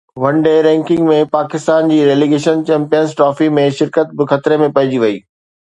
One day ranking ۾ Pakistan جي relegation champions trophy ۾ شرڪت به خطري ۾ پئجي وئي.